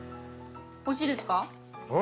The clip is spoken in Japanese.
おいしいですか？